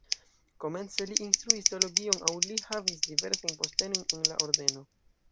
Komence li instruis teologion aŭ li havis diversajn postenojn en la ordeno.